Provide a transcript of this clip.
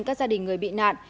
các gia đình người bị nạn